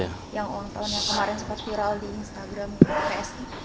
yang kemarin sempat viral di instagram psi